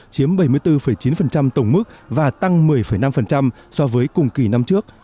chiếm bảy mươi bốn chín tổng mức và tăng một mươi năm so với cùng kỳ năm trước